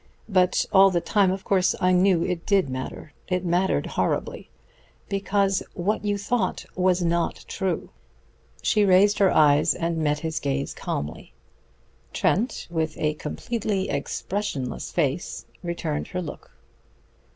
But all the time, of course, I knew it did matter. It mattered horribly. Because what you thought was not true." She raised her eyes and met his gaze calmly. Trent, with a completely expressionless face, returned her look.